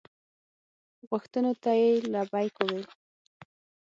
غوښتنو ته یې لبیک وویل.